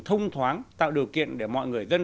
thông thoáng tạo điều kiện để mọi người dân